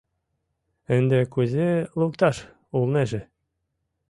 Ынде кузе лукташ улнеже?